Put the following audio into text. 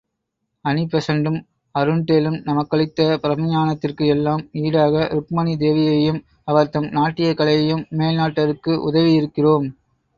அனிபெசண்டும், அருண்டேலும் நமக்களித்த பிரம்மஞானத்திற்கு எல்லாம் ஈடாக, ருக்மணி தேவியையும் அவர் தம் நாட்டியக் கலையையும் மேல்நாட்டாருக்கு உதவியிருக்கிறோம்.